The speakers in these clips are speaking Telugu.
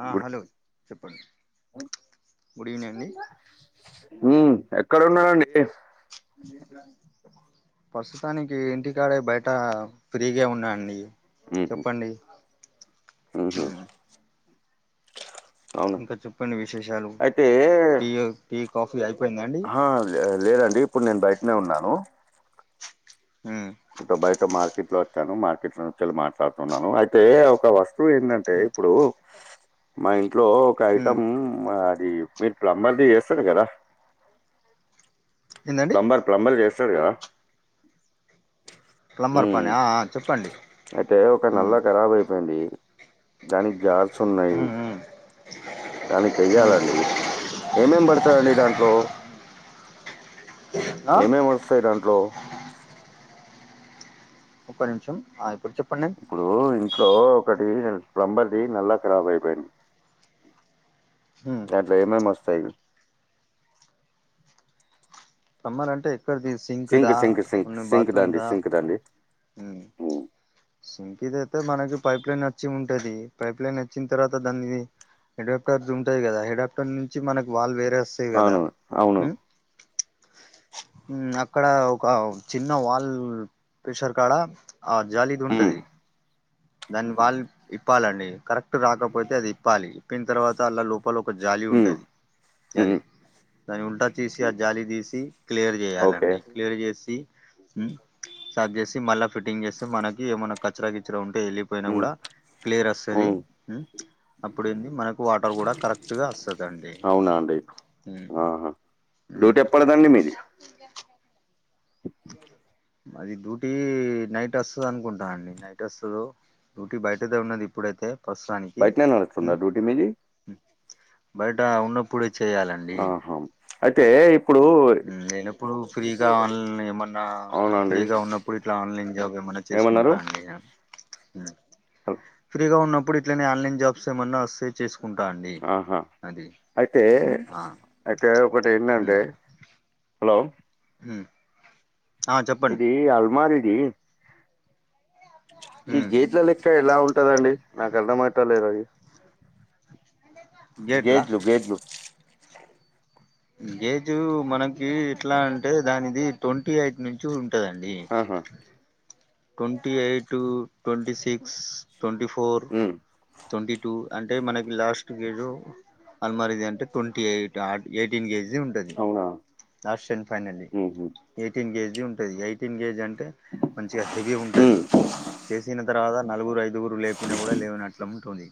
ఆ గుడ్ హలో! గుడ్ ఈవెనింగ్ అండి. ఉమ్ ఎక్కడ ఉన్నారండి? [inaudible] ప్రస్తుతానికి ఇంటికాడే బయట ఫ్రీగానే ఉన్నా అండి చెప్పండి. మ్ హు ఉమ్, ఇంకా చెప్పండి విశేషాలు అయితే టీ, కాఫీ అయిపోయిందా అండి. ఆ లే లేదండి ఇప్పుడు నేను బయటనే ఉన్నాను. మ్ బయట మార్కెట్ కి వచ్చాను. మార్కెట్ లో నుండి మాట్లాడుతున్నాను. అయితే ఒక వస్తువు ఏంటంటే ఉమ్, ఇప్పుడు మా ఇంట్లో ఒక ఉమ్. ఐటం అది మీరు ప్లంబర్ది చేస్తారు కదా. ఏందండి ప్లంబర్ ప్లంబర్ చేస్తారు కదా. ప్లంబర్ మ్ పని ఆ ఆ చెప్పండి అయితే ఒక నల్ల ఉమ్, ఖరాబ్ అయిపోయింది. దానికి జార్స్ ఉన్నాయి. ఉమ్, ఉమ్. దానికి వెయ్యాలండి. ఏమేం పడతారండి దాంట్లో. ఆ ఏమేమి వస్తాయి దాంట్లో. ఒక్క నిమిషం ఆ ఇప్పుడు చెప్పండి ఇప్పుడు ఇంట్లో ఒకటి ప్లంబర్ది నల్ల కారాబ్ అయిపోయింది ఉమ్, దాంట్ల ఏమేమిస్తాయి ఇగ ప్లంబర్ అంటే ఎక్కడిది సింక్ దా సింక్ సింక్ ఉన్ సింక్ బాత్రూమ్ దండి దా సింక్ దండి సింక్ ది అయితే మనకి పైప్ లైన్ వచ్చి ఉంటది పైప్లైన్ వచ్చిన తర్వాత దాని హెడాప్టర్స్ ఉంటాయి కదా హెడాప్టర్ నుంచి మనకు వాల్ వేరే వస్ అవునవును అవును ఉమ్ అక్కడ ఒక చిన్న వాల్ ప్రెషర్ కాడ ఆ జాలిది ఉమ్ ఉంటది. దాన్ని వాల్ ఇప్పాలండి కరెక్ట్ పట్టు రాకపోతే అది ఇప్పాలి ఇప్పిన తర్వాత అండ్ల లోపల ఒక జాలి ఉమ్ ఉంటది. ఉమ్ జాలి దాని ఉల్టా తీసి ఆ జాలి తీసి క్లియర్ ఓకే చేయాలండి క్లియర్ చేసి ఉమ్ సరి చేసి మళ్ళా ఫిట్టింగ్ చేస్తే మనకి ఏమైనా కచరా కిచరా ఉంటే ఎల్లి పోయినా ఉమ్ కూడా క్లియర్ వస్తది ఉమ్ అప్పుడు ఏంది మనకు వాటర్ కూడా కరెక్ట్గా వస్తదండి అవునా ఆహా డ్యూటీ ఎప్పాడ కదండి మీది అది డ్యూటీ నైట్ వస్తది అనుకుంటా అండి నైట్ వస్తదో డ్యూటీ బయటదే ఉన్నది ఇప్పుడైతే ప్రస్తుతానికి బయటనే నడుస్తుంద డ్యూటీ మీది బయట ఉన్న ఇప్పుడు చేయాలండి ఆహా అయితే ఇ లేనప్పుడు ఫ్రీగా ఆన్లైన్ ఏమన్నా అవునండి ఫ్రీగా ఉన్నప్పుడు ఇట్లా ఆన్లైన్ జాబ్ ఏమైనా ఏమన్నారు చేసుకుంటా అండి ఫ్రీగా ఉన్నప్పుడు ఇట్లనే ఆన్లైన్ జాబ్స్ ఏమన్నా వస్తే చేసుకుంటా అండి ఆహా అది అయితే ఆ అయితే ఒకటి ఏంటంటే హలో హ్మ్ ఇది అల్మార్ ఇది ఈ ఉమ్ గేట్ల లెక్క ఎలా ఉంటదండి నాకు అర్థం అయితలేదు అది గేట్లా గెట్లు గెట్లు గేట్లు మనకి ఎట్లా అంటే దానిది ట్వంటీ ఎయిట్ నుంచి ఉంటదండి ఆహా twenty eight, twenty six, twenty four ఉమ్ ట్వంటీ టూ అంటే మనకి లాస్ట్ గేటు అల్మరిది అంటే ట్వంటీ యాయిట్ యాయిటీన్ కేజీ ఉంటది అవునా లాస్ట్ అండ్ ఫైనల్ ఉహు ఎయిటీన్ కేజీ ఉంటది ఎయిటీన్ కేజీ అన్ మంచిగా హెవీ ఉంటది ఉమ్ చేసిన తర్వాత నలుగురు ఐదుగురు లేపినా కూడా లేవనట్ ఇట్లా ఉంటుంది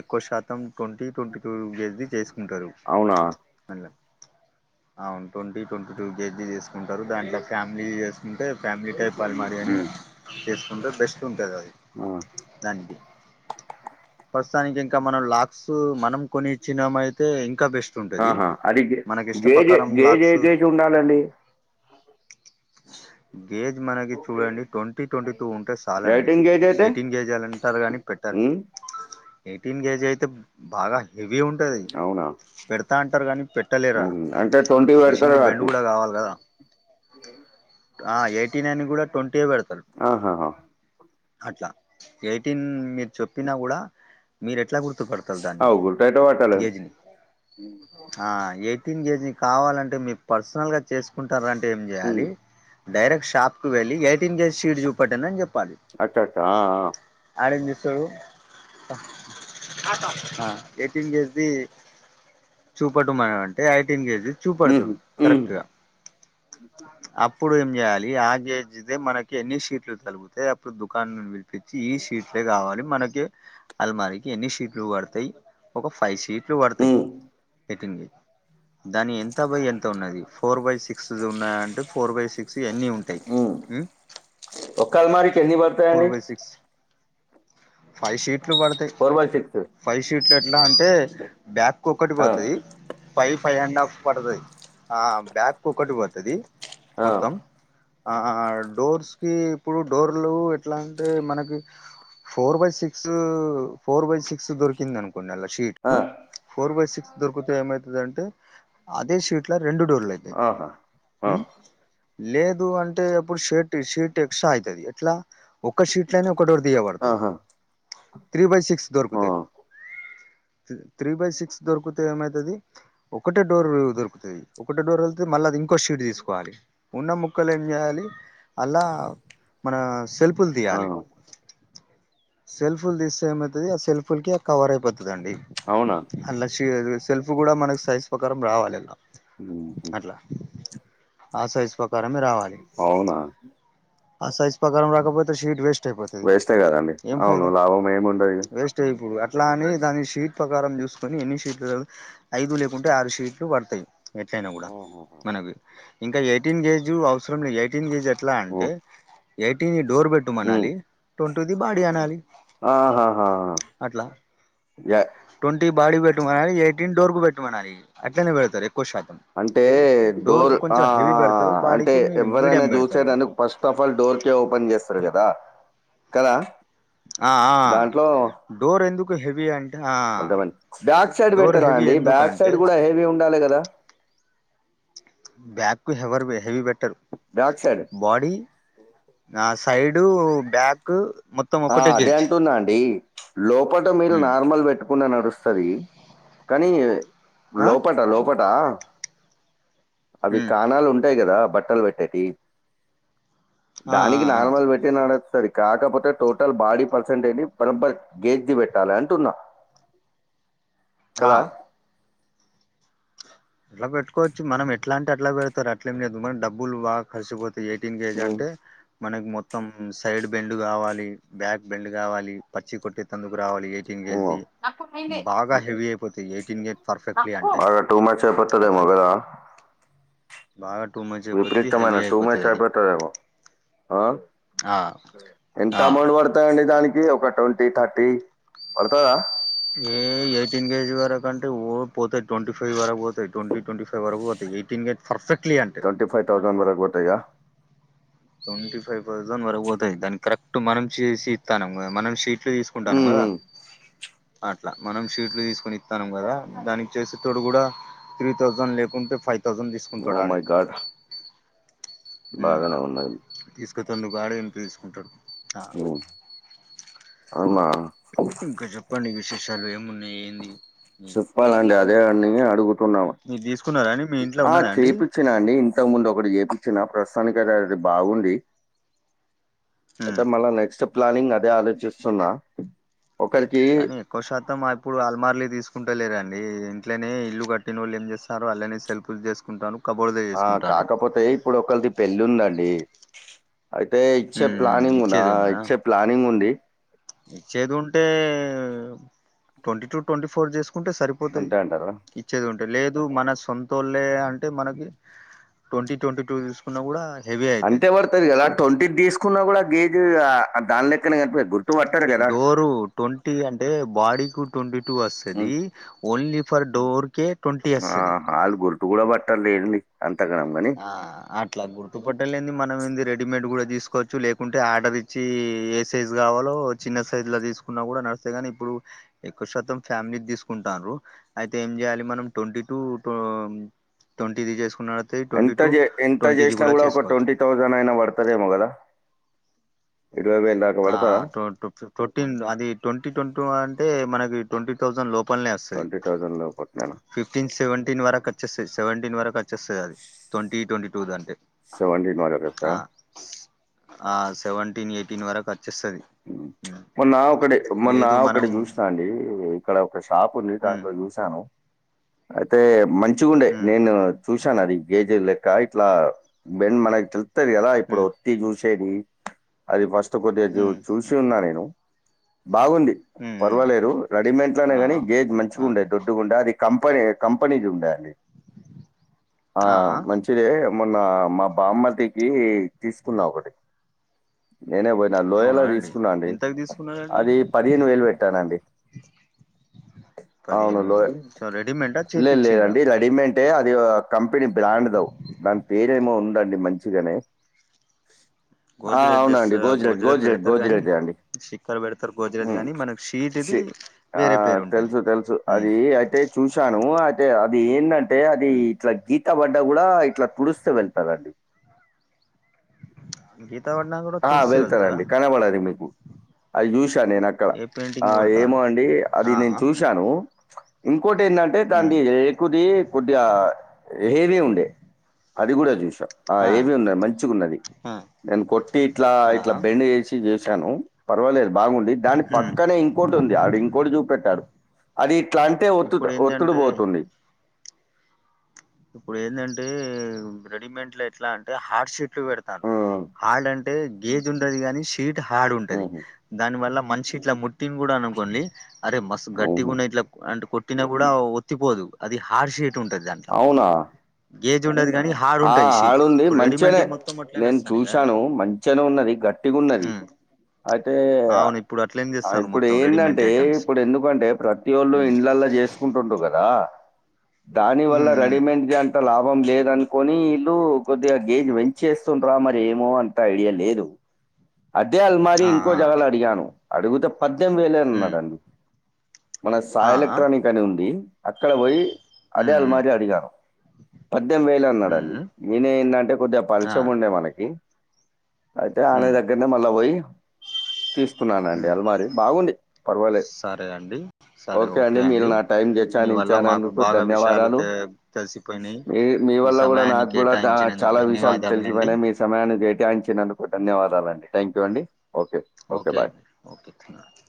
ఎక్కువ శాతం ట్వంటీ, ట్వంటీ టూ కేజీ చేసుకుంటారు. అవునా అట్లా అవున్ ట్వంటీ, ట్వంటీ టూ కేజీ తీసుక్ కుంటారు దాంట్లో ఫ్యామిలీ చేసుకుంటే ఫ్యామిలీ టైప్ అల్మరి అని ఉమ్ చేసుకుంటే బెస్ట్ ఉంటుంది అది ఆ తని [inaudible] ప్రస్తుతానికి ఇంకా మనం లాక్స్ మనం కొనిచ్చినమయితే ఇంకా బెస్ట్ ఉంటది ఆహా అది గే మనకి ఇష్ట గేజే ప్రకారం గేజ్ ఏ లాక్స్ గేజ్ ఉండాలండి గేజ్ మనకి చూడండి ట్వంటీ, ట్వంటీ టూ ఉంటే చాలండి లైటింగ్ గేజ్ అయితే ఎయిటీన్ కేజీలు అంటారు కానీ పెట్టారు ఉమ్ ఎయిటీన్ కేజీ అయితే బాగా హెవీ ఉంటది అవునా పెడతా అంటారు కానీ పెట్ పెట్టలేరాల్లు ఉమ్ అంటే ట్వంటీ పెడతారు మిషన్కి బెండ్ కావచ్చు కూడా కావాలి కదా ఆ ఎయిటీన్ అని కూడా ట్వంటీ పెడతారు ఆహాహా అట్లా ఎయిటీన్ మీర్ చెప్పినా గూడా మీరు ఎట్లా గుర్తుపడతారు దాన్ని అవు గుట్టయితే పట్టలే గేజ్ని ఆ ఎయిటీన్ కేజీ కావాలంటే మీ పర్సనల్ గా చేసుకుంటారంటే ఏం ఉమ్ చేయాలి డైరెక్ట్ షాప్కు వెళ్ళి ఎయిటీన్ కేజి షీట్ చూపట్టెండి అని జెప్పాలి అట్టట్టా ఆ ఆ ఆడేం జేస్తాడు ఆ ఎయ్టీన్ కేజ్ది చూపెట్టుమంటే ఎయిటీన్ కేజీ ఉహు చూపెడుతాడు ఉమ్ కరెక్ట్ గా అప్పుడు ఏం చేయాలి ఆ గేజ్ది మనకి ఎన్ని షీట్లు తలుగుతే అప్ ఇప్పుడు దుకాన్ ను పిలిపిచ్చి ఈ షీట్లే కావాలి మనకి అలమారికి ఎన్ని షీట్లు పడతాయ్ ఒక ఫైవ్ షీట్లు పడతాయ్ ఉమ్ ఎయిటీన్ది దాని ఎంత బై ఎంత ఉన్నది ఫోర్ బై సిక్స్ ది ఉన్నా అంటే ఫోర్ బై సిక్ సి ఎన్ని ఉం ఉమ్ ఒక అలమారికి ఎన్ని పడ్ ఫోర్ బై సిక్స్ ఫైవ్ షీట్లు పడతాయ్ ఫోర్ బై సిక్స్ ఫైవ్ షీట్లు ఎట్లా అంటే బ్యాక్ ఒక్కటి ఆ పోతాయ్ ఫైవ్ ఫైవ్ అండ్ హఫ్ పడతది ఆ బ్యాక్ ఒకటి పోతది ఆ మొత్తం ఆ డోర్స్ కి ఇప్పుడు డోర్లు ఎట్లా అంటే మనకి four by six four by six దొరికింది అనుకోండి అలా ఆ షీట్లు ఫోర్ బై సిక్స్ దొరుకుతే ఏమైతది అంటే అదే షీట్ ఇట్లా రెండు డోర్లు ఐతయ్ ఆహా ఆ ఉమ్ లేదు అంటే ఎప్పుడు షర్ట్ షీట్ ఎక్స్ట్రా అయితది ఎట్లా? ఒక్క షీట్లోనే ఒక డోర్ దీయబడతాయ్ ఆహా త్రీ బై సిక్స్ ఆ దొరుకుతే, త్రీ బై సిక్స్ దొరుకుతే ఏమైతది ఒక్కటే డోర్ దొరుకుతది. ఒకటే డోర్ తల్తే మళ్ళీ అది ఇంకో షీట్ తీసుకోవాలి ఉన్న ముక్కలు ఏం చేయ్యాలి అలా మన సెల్పులు ఆ తీయాలి సెల్ఫుల్ తీస్తే ఏమయితది, ఆ సెల్ఫుల్ కి కవర్ అయిపోతదండి అవునా? అల్లషా సెల్ఫ్ కూడా మనకి సైజ్ ప్రకారం రావాలి లా ఉమ్ అట్లా ఆ సైజ్ ప్రకారమే రావాలి అవునా ఆ సైజ్ పకారం రాకపోతే షీట్ వేస్ట్ ఐపో వేస్టే కదండి అవును లాభం ఏమి ఉండదు ఇగ వేస్ట్ అయ్యి పోదు అట్లా అని దాని షీట్ ప్రకారం చూస్కొని ఎన్ని షీట్లు ఐదు లేకుంటే ఆరు షీట్లు పడ్తాయ్ ఎట్లైనా కూడా ఆహాహా మనకు ఇంకా ఎయిటీన్ కేజ్ అవసరం లేదు ఎయిటీన్ కేజ్ ఎట్లా అంటే హ్మ్ ఎయిటీన్ డోర్ పెట్టు హ్మ్ మనాలి ట్వంటూ ది బాడీ అనాలి ఆహాహా అట్లా జా ట్వంటీ బాడి పెట్టుమనాలి ఎయిటీన్ డోర్గు పెట్టుమనాలి అట్లానే పెడ్తారు ఎక్కువ శాతం అంటే డోర్ కు ఆ కొంచెం హెవీ ఆ పెడతారు అంటే బాడీకు మీడియం ఎవ్వరైనా మీడియం పెడతారు చూసేరంటే ఫస్ట్ తఫల్ డోర్ కె ఓపెన్ చేస్తారు కదా కదా ఆ ఆ దాంట్లో డోర్ ఎందుకు హెవి అంటే ఆ అంతమంది బ్యాక్ సైడ్ డోర్ పెట్టారా హెవీ అండి బ్యాక్ ఎందుకంటే సైడ్ కూడా హెవీ ఉండాలి కదా బ్యాగ్కు హవర్ వె heavy better back side body ఆ సైడు బ్యాక్ మొత్తం ఆ ఒకటే అదే గేజ్ అంటున్న అండి లోపల మీరు నార్మల్ పెట్టు కుండా నడుస్తది కానీ లోపట లోపట అవి కాణాలు ఉంటాయి కదా బట్టలు పెట్టేటి ఆ ఆ దానికి ఆ నార్మల్ పెట్టే డే నడుస్తుంది కాకపోత టోటల్ బాడీ పర్సెంటేజ్ ని బరంబర్ గేజ్ ది పెట్టాలి అంటున్నా ఆ కదా ఎట్ల పెట్కోవచ్చు మనం ఎట్లాంటే అట్లా పెడతారు అట్లేం లేదు మరి డబ్బులు బక్ ఖర్చుపోతాయి ఎయిటీన్ కేజ్ ఉమ్, అంటే మనకి మొత్తం సైడ్ బెండ్ కావాలి బ్యాక్ బెండ్ కావాలి పచ్చి కొట్టే తందుకు రావాలి ఎయిటీన్ గేజ్ ఉమ్. ది బాగా హెవీ అయిపోతది ఎయిటీన్ గేజ్ పర్ఫెక్ట్లీ అంటే టూమచప్పత్తదేమొ అట్లా గదా బాగా టూ మచ్ అయిపోతది విపరీతమైన హెవీ టూమచ్ అయిపోతది అది ఐపోతదేమో ఆ ఆ ఎంత ఆ అమౌండ్ పడతదండి దానికి ఒక ట్వంటీ థర్టీ పడ్తదా ఏ ఎయిటీన్ కేజ్ వరకు అంటే ఓ పోతాయి ట్వంటీ ఫైవ్ వరకు పోతాయి ట్వంటీ ట్వంటీ ఫైవ్ వరకు పోతయి ఎయిటీన్ గజ్ పర్ఫెక్ట్లీ అంటే సటాన్ వరకు పోతయ్ కదా ట్వంటీ ఫైవ్ థౌసండ్ వరకు పోతయ్ దాని కరెక్ట్ మనం చేసి ఇస్తనం కదా మనం షీట్లు తీసు కుంటాం కదా అట్లా మనం షీట్లు తీసుకొని ఇస్తాము కదా దానికి చేసేటోడు కూడా త్రీ థౌజండ్ లేకుంటే ఫైవ్ థౌసండ్ తీసుకుంటాడు ఓ ఆడే మై గాడ్ ఉ బాగానే ఉన్నది తీసుకొతందుకు ఆడే ఏంపితీసుకుంటాడు ఆ అవునా ఇంకా చెప్పండి విశేషాలు ఏమున్నాయి ఏంది చెప్పాల అండి అదే అని అడుగుతున్నాము మీరు తీసుకున్నార అండి మీ ఇం ఆ చేయిచ్చినా అండి ఇంతకు ముందు ఒకటి చేయిచ్చిన ప్రస్తుతానికి అదా అది బాగుంది అయితే ఉమ్ మళ్ళా నెక్స్ట్ ప్లానింగ్ అదే ఆలోచిస్తున్నా ఒకరికి ఎక్కో శాతం మా ఇప్పుడు అలమార్లు తీసుకుంటలేరండి ఇంట్లోనే ఇల్లు కట్టిన వాళ్ళు ఏం చేస్ తరు అలానే సెల్పులు చేసుకుంటారు కబోర్డ్లు ఆ చేసుకుంటారు కాకపోతే ఇప్ ఇప్పుడు ఒకరిది పెళ్ళి ఉందండి అయితే ఇచ్చే ఉమ్ ప్లానింగ్ ఉనా ఇచ్చేది ఉన్నదా ఇచ్చే ప్లానింగ్ ఉండి ఇచ్చేది ఉంటే ట్వంటీ టు ట్వంటీ ఫోర్ చేసుకుంటే సరిపో పోతది అంతే అంటారా? ఇచ్చేది ఉంటే లేదు మన సొంతళ్లే అంటే మనకి ట్వంటీ ట్వంటీ టూ ఉన్న కూడా హెవి అయితది సార్ ఎలా ట్వంటీ తీసుకున్నా కూడా గేజ్ ఆ దాని లెక్కనే గనిపి గుర్ డోరు ట్వంటీ అంటే బాడీ కు ట్వంటీ టూ హ్మ్ వస్తది ఓన్లీ ఫర్ డోర్ కేె ఆ ఆళ్ళు గుర్టు కూడా పట్టరు లేండి అంత గనం కని ఆ అట్లా గుర్తుపట్టలేంది మనం ఏంది రెడీమేడ్ గుడ తీసుకోవచ్చు లేకుంటే ఆర్డర్ ఇ చీ ఏ సైజు కావాలో చిన్న సైజుల తీసుకున్నా కూడా నడుస్తది గనీ ఇప్పుడు ఎక్కువ శాతం ఫ్యామిలీ ద్దిసుకుంటారు అయితే ఏం జేయాలె మనం ట్వంటీ టూ ట్వంటీది జేసుకున్నా ఎంత జే ఎంత జేసినా గూడ ఒక ట్వంటీ థౌసన్ సండయిన బడ్తదేమో గదా ఇరవై వేలు దాటుత్ ఆ టోన్ టు ఫిఫ్ ఫోర్టీన్ అది ట్వంటీ ట్వంటీ టూ అంటే మనకి ట్వంటీ థౌజండ్ లోపలనే అస్తది ట్వంటీ థౌజండ్ లోపట్నేనా? ఫిఫ్టీన్ సెవెంటీన్ వరకచ్చేస్తది సెవెంటీన్ వరకు అచ్చేస్తది అది ట్వంటీ ట్వంటీ టూది అంటే సెవెంటీన్ వరకత్తదా ఆ సెవెంటీన్ ఎయిటీన్ వరకచ్చేస్తది ఉమ్ మొన్న ఒక్కటి మొన్న మనం ఒక్కటి ఉమ్ జూసినా అండి క్కడ ఒక షాప్ ఉంది ఉమ్ దాంట్లో చూసాను అయితే మంచిగుండే నేను ఉమ్ చూశానది గేజీలెక్క ఇట్లా బెం మనకి తెల్తది గదా ఇప్పుడు తి చూసేది అది ఫస్ట్ కొద్దిగ జు ఉమ్ చూసి ఉన్నా నేను బాగుంది ఉమ్ ఉమ్ పర్వాలేరు రెడీమేట్లనే ఆ గని గేజ్ మంచిగ్ ఆ డుగుండె దొడ్డుగుండె అది కంపనీ కంపెనీజు ఉండె అండి ఆ మంచి టిదే మొన్న మా బామ్మర్ది కి తీసుకున్నా ఒకటి నేనే పోయ్ న అవునా లోయలా తీసుకున్నా అండి ఎంతకు తీసుకున్నారండి అది పదిహేను వేలు పెట్టానండి అవును పదిహేను వేలు లోయ సో రెడీమెంట్ ఆ చేపిచ్చిన్రా టే అది ఆ కంపెనీ బ్రాండ్ బ్రో దాని పేరేమో ఉందండి మంచిగనే ఆ గోజరేజ్ చేస్త అవునండి గోజ్రెడ్ గోజరేజ్ గోజ్రెడ్ పెడతారు గాని గోజ్రెద్దే అండి స్టిక్కర్ పెడతారు గోజరేజ్ ఉమ్ గాని మనకు షీట్ది షి ఆ వేరే పేరు ఉంటది తెలుసు తెలుసు అదీ అయితే చూశాను అయితే అది ఏంటంటే అది ఇట్ల గీత్ త బడ్డ గూడ ఇట్లా తుడుస్తదంట అదండి గీత బడినాక గూడ్ ఆ వెళ్తరండి కనపడది మీకు అది చూశా నేను అక్కడ ఏ ఆ పెయింటింగ్ ఏమో కొడతారు అండి అది ఆ నేను చూశాను ఇంకోటెందంటే దాన్ని ఏకుది కొద్దిగా హేమియ ఉండే అది గూడ చూసా ఆ ఏవి ఉన్నది మంచిగున్నది ఆ నేను కొట్టి ఇట్లా ఆ ఇట్లా బెండ్ జేసి చేశాను పర్వాలేదు బాగుంది దాన్ని పక్కనే ఇంకోటి ఉంది ఆడు ఇంకోటి చూపెట్టాడు అది ఇట్లాంటే ఒత్తు ఇప్పుడు ఒత్తుడు ఏందంటే పోతుంది ఇప్పుడు ఏంధంటే రెడీమేడ్ లో ఎట్లా అంటే హార్డ్ షీట్లు పెడతాన్రు హ్మ్. హార్డ్ అంట్ టే గేజ్ ఉండది గనీ షీట్ హార్డ్ ఉంటది హుహు. దాని వల్ల మంచిష ఇట్లా ముట్ తిన్ గూడ అననుకొన్లి అరే మస్తు హుహు. గట్టిగున్నది ఇట్లా అంటే కొట్టినా కూడా ఒత్తిపోదు అది హార్ షీట్ ఉంటది దాన్ అవునా గేజ్ ఉండదు గనీ హా ఆ హాడుంది మంచిగనే అట్లనే నేను వస్తానయి కదండి చూశాను మంచిగనే ఉన్నది గట్టిగున్నది ఉమ్ అయితే అవును ఇప్పుడు అట్లనే ఆ తెస్తాన్రు ఇప్పుడు మొత్తం రెడీమేంట్ ఏంధంటే ఐటమ్స్ ఇప్పుడు ఎందుకంటే ప్రతి ఒళ్ళు ఉమ్ ఇండ్లలో జేస్ కుంటున్రు గదా దాని వల్ల ఉమ్ ఉమ్ రెడీమెంట్ కి అంత లాభం లేదన్ కొని ఇల్లు కొద్దిగా గేజ్ పెంచేస్తుంటరా మరి ఏమో అంత ఐడియా లేదు అదే అల్మారి ఆ ఇంకో ఆ జాగాలో అడిగాను అడిగితే పద్దెనిమిది ఉమ్ వేలేనన్నాడండి మన ఆ సాయి ఆ ఎలక్ట్రానిక్ అని ఉంది అక్కడ పోయి అదే ఉమ్ అల్మరి అడిగాాను పద్దెనిమిదివేలన్నాడు ఉమ్ ఉమ్ నేనే ఏంది అంటే కొద్దిగా ఆ పలచగా ఉండే మనకి అయితే ఉమ్ మళ్ళా పోయి తీసుకున్నానండి ఉమ్ అల్మారి బాగుండి పర్వాలేదు సరే అండి సరే ఓకే మీరు అండి నా టైం మీ వల్ల మాకు కేటాయించినందుకు బాగా విషయాలు ధన్యవాదాలు. తె సి పో మీ మీ వల్ల కూడా సమాయ [unintelligible] నాకు కూడా చాలా విషయాలు తెలిసిపోయినాయి మీ సమయాన్ని కేటాయించినందుకు ధన్యవాదాలండి థ్యాంక్ యూ అండి okay okay bye okay Trinath